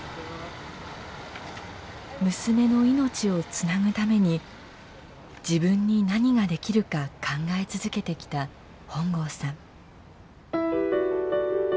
娘の命をつなぐために自分に何ができるか考え続けてきた本郷さん。